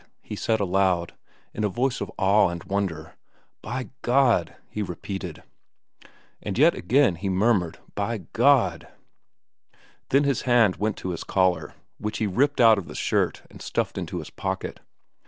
he said aloud, in a voice of awe and wonder. "By God!" he repeated. And yet again he murmured, "By God!" Then his hand went to his collar, which he ripped out of the shirt and stuffed into his pocket.